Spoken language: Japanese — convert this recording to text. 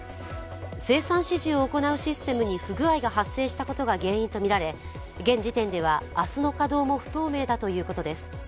生産指示を行うシステムに不具合が発生したことが原因とみられ現時点では明日の稼働も不透明だということです。